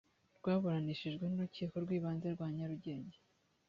rwaburanishijwe n urukiko rw ibanze rwa nyarugenge